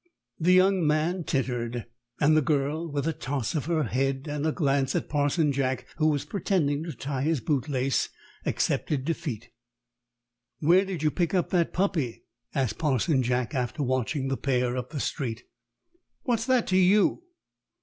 The young man tittered, and the girl with a toss of her head and a glance at Parson Jack, who was pretending to tie his boot lace accepted defeat. "Where did you pick up that puppy?" asked Parson Jack, after watching the pair up the street. "What's that to you?"